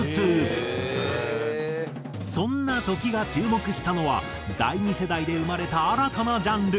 そんな土岐が注目したのは第２世代で生まれた新たなジャンル。